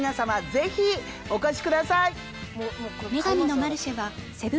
ぜひお越しください。